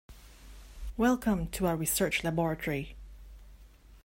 Welcome to our research Laboratory.